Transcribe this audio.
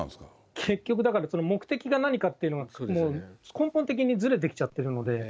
結局だから、目的が何かっていうのは、もう根本的にずれてきちゃってるので。